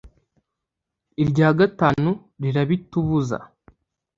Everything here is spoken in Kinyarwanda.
Irya gatanu rirabitubuza !